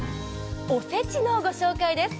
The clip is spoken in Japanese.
おせちのご紹介です。